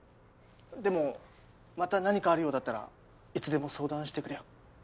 でもまた何かあるようだったらいつでも相談してくれよ。